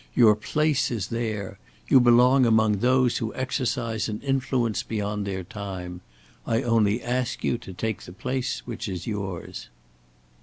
Your place is there. You belong among those who exercise an influence beyond their time. I only ask you to take the place which is yours."